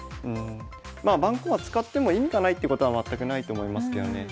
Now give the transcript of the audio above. まあ盤駒使っても意味がないってことは全くないと思いますけどね。